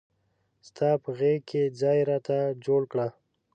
ستا په غیږ کې ځای راته جوړ کړه.